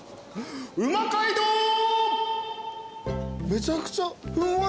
めちゃくちゃふんわり。